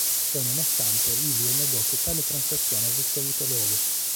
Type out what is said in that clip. Ciò nonostante Ilie negò che tale transazione avesse avuto luogo.